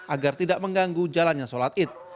agar tidak mengganggu jalannya sholat id